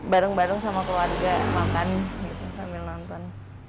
bareng bareng sama keluarga makan gitu sambil nonton